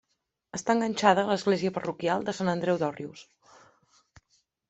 Està enganxada a l'església parroquial de Sant Andreu d'Òrrius.